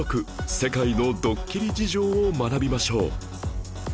世界のドッキリ事情を学びましょう